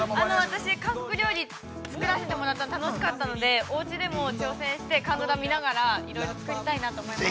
◆私、韓国料理作らせてもらったの、楽しかったので、おうちでも挑戦して、韓ドラ見ながら、いろいろ作りたいなと思いました。